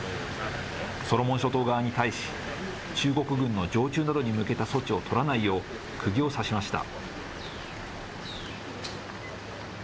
ソロモン諸島側に対し、中国軍の常駐などに向けた措置を取らないよう、くぎをさしました。